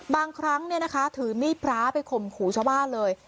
บางครั้งเนี้ยนะคะถือมีพระไปข่มขู่ชาวบ้านเลย